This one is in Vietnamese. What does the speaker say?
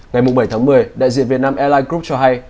ngày bảy tháng một mươi đại diện việt nam airlines group cho hay